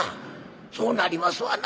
そうなりますわな。